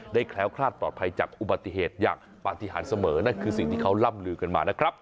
แคล้วคลาดปลอดภัยจากอุบัติเหตุอย่างปฏิหารเสมอนั่นคือสิ่งที่เขาล่ำลือกันมานะครับ